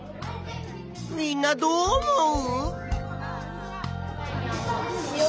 みんなどう思う？